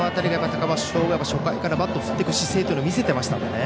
高松商業は初回からバットを振っていく姿勢を見せていましたからね。